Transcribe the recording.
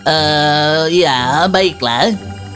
eee ya baiklah